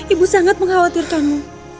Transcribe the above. ibu sangat mengkhawatirkanmu